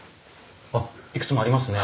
あっいくつもありますね。